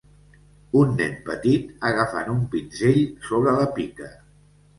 Un nen petit agafant un pinzell sobre la pica.